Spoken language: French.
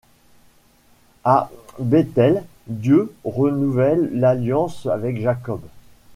À Béthel Dieu renouvelle l’Alliance avec Jacob.